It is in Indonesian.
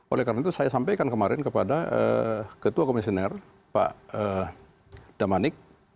oleh karena itu saya sampaikan kemarin kepada ketua komisioner pak damanik